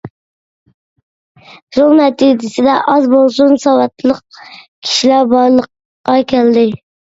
شۇنىڭ نەتىجىسىدە ئاز بولسۇن ساۋاتلىق كىشىلەر بارلىققا كەلدى.